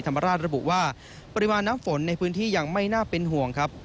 แต่บุว่าปริมาณหนับฝนในพื้นที่ยังไม่น่าเป็นห่วงครับ